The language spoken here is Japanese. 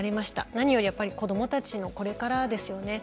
何より子供たちのこれからですよね。